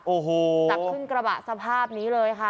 โอ้โหจับขึ้นกระบะสภาพนี้เลยค่ะ